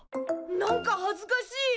なんかはずかしい！